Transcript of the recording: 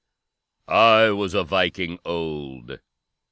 "I was a Viking old!